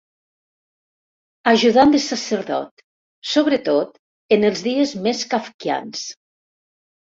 Ajudant de sacerdot, sobretot en els dies més kafkians.